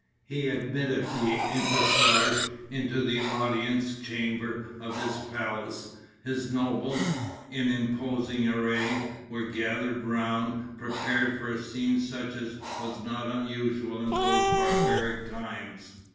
He admitted the embassage into the audience chamber of his palace. His nobles, in imposing array, were gathered around prepared for a scene such as was not unusual in those barbaric times.